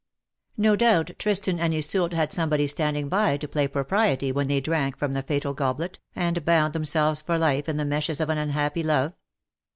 No doubt, Tristan and Iseult had somebody standing by to play propriety when they drank from the fatal goblet, and bound themselves for life in the meshes of an unhappy love.